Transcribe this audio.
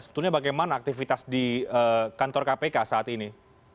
sebetulnya bagaimana aktivitas di kantor kpk saat ini